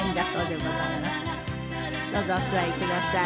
どうぞお座りください。